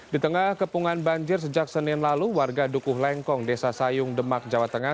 di tengah kepungan banjir sejak senin lalu warga dukuh lengkong desa sayung demak jawa tengah